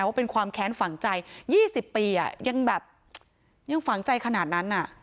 ว่าเป็นความแค้นฝังใจ๒๐ปียังแบบยังฝังใจขนาดนั้น